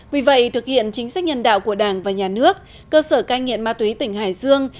vì vậy thực hiện chính sách nhân đạo của đảng và nhà nước cơ sở cai nghiện ma túy tỉnh hải dương